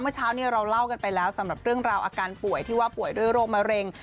เมื่อเช้านี้เราเล่ากันไปแล้วสำหรับเรื่องราวอาการป่วยที่ว่าป่วยด้วยโรคมะเร็ง